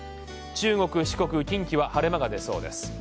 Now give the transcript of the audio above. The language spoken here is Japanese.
中国、四国、近畿は晴れ間が出そうです。